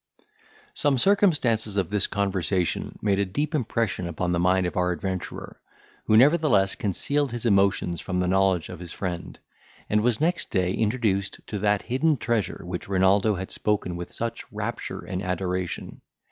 Some circumstances of this conversation made a deep impression upon the mind of our adventurer, who nevertheless concealed his emotions from the knowledge of his friend, and was next day introduced to that hidden treasure of which Renaldo had spoken with such rapture and adoration.